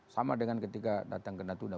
sama dengan ketika datang ke natuna